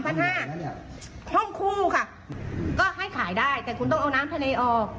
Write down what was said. ห้องคู่ค่ะก็ให้ขายได้แต่คุณต้องเอาน้ำทะเลออก